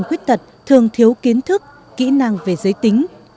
người khuyết tật thường thiếu kiến thức kỹ năng về giới tính